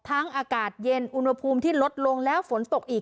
อากาศเย็นอุณหภูมิที่ลดลงแล้วฝนตกอีก